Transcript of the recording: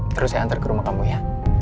terus saya antar ke rumah kamu ya